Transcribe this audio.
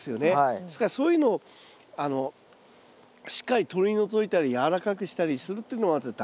ですからそういうのをしっかり取り除いたりやわらかくしたりするっていうのは大事だと思いますね。